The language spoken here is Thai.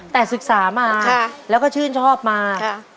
แต่ศึกษามาแล้วก็ชื่นชอบมา